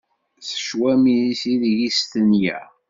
S cwami-s ideg i stenyeɣ.